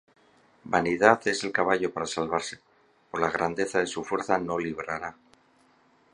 Vanidad es el caballo para salvarse: Por la grandeza de su fuerza no librará.